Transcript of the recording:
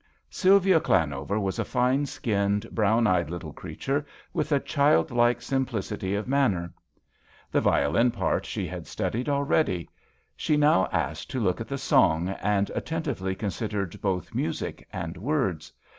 Sylvia Llanover was a 64 THE VIOLIN OBBLIGATO. fine skinned, brown eyed little creature, with a childlike sim plicity of manner. The violin part she had studied already. She now asked to look at the song, and attentively considered both music and words.